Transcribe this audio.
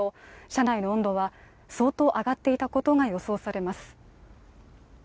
車内の温度は相当上がっていたことが予想されます。